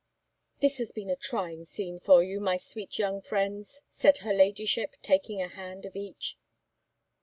"This has been a trying scene for you, my sweet young friends!" said her Ladyship, taking a hand of each.